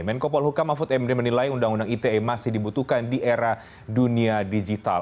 menkopol hukam afud md menilai undang undang ite masih dibutuhkan di era dunia digital